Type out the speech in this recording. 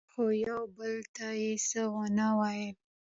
خو یو بل ته یې څه ونه ویل.